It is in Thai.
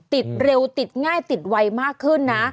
ติดเร็วติดง่ายติดไวมากขึ้นนะ